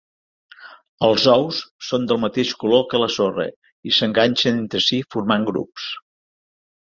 Els ous són del mateix color que la sorra i s'enganxen entre si formant grups.